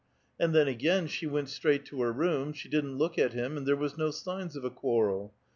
And then, again, she went straight to her room, she didn't look at him, and there was no signs of a quarrel.